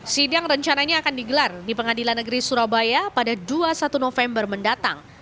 sidang rencananya akan digelar di pengadilan negeri surabaya pada dua puluh satu november mendatang